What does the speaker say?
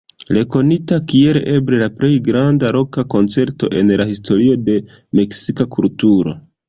Rekonita kiel eble la plej granda roka koncerto en la historio de meksika kulturo.